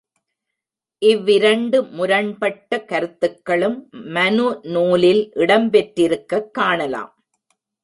இவ்விரண்டு முரண்பட்ட கருத்துகளும் மனுநூலில் இடம்பெற்றிருக்கக் காணலாம்.